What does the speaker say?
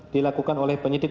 dilakukan oleh penyidik